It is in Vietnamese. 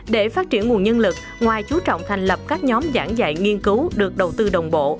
để phát triển nguồn nhân lực ngoài chú trọng thành lập các nhóm giảng dạy nghiên cứu được đầu tư đồng bộ